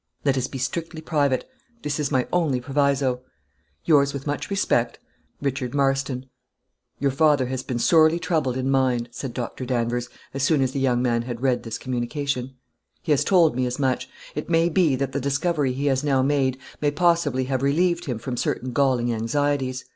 Let us be strictly private; this is my only proviso. "Yours with much respect, "Richard Marston" "Your father has been sorely troubled in mind," said Doctor Danvers, as soon as the young man had read this communication; "he has told me as much; it may be that the discovery he has now made may possibly have relieved him from certain galling anxieties.